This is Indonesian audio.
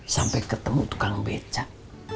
sampai ketemu tukang becak